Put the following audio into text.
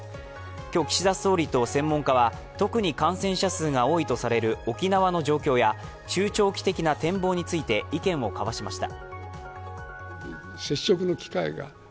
今日、岸田総理と専門家は特に感染者数が多いとされる沖縄の状況や中長期的な展望について意見を交わしました。